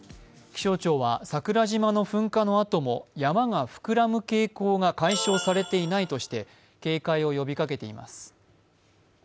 気象庁は桜島の噴火のあとも山が膨らむ傾向が解消されていないとして警戒を呼びかけています。